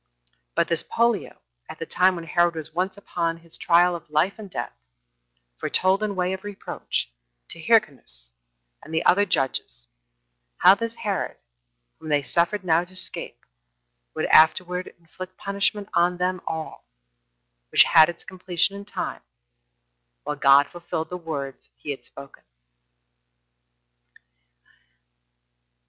But this Pollio, at the time when Herod was once upon his trial of life and death, foretold, in way of reproach, to Hyrcanus and the other judges, how this Herod, whom they suffered now to escape, would afterward inflict punishment on them all; which had its completion in time, while God fulfilled the words he had spoken.